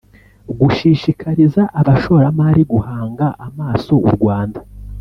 gushishikariza abashoramari guhanga amaso u Rwanda